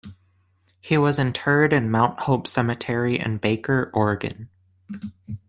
He was interred in Mount Hope Cemetery in Baker, Oregon.